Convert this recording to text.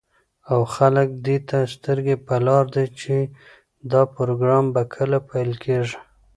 او خلك دېته سترگې په لار دي، چې دا پروگرام به كله پيل كېږي.